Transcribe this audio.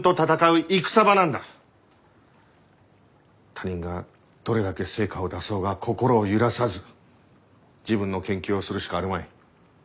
他人がどれだけ成果を出そうが心を揺らさず自分の研究をするしかあるまい。